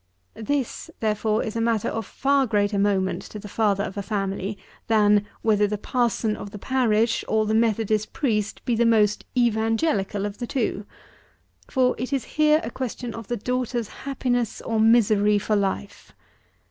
This, therefore, is a matter of far greater moment to the father of a family, than, whether the Parson of the parish, or the Methodist Priest, be the most "Evangelical" of the two; for it is here a question of the daughter's happiness or misery for life.